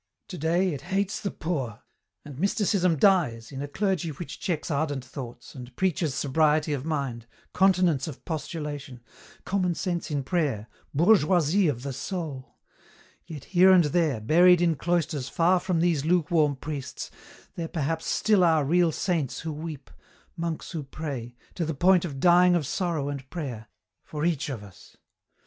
Today it hates the poor, and mysticism dies in a clergy which checks ardent thoughts and preaches sobriety of mind, continence of postulation, common sense in prayer, bourgeoisie of the soul! Yet here and there, buried in cloisters far from these lukewarm priests, there perhaps still are real saints who weep, monks who pray, to the point of dying of sorrow and prayer, for each of us.